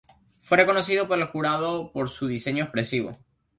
Fue reconocido por el jurado por su diseño expresivo.